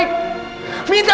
minta aja dikazarin terus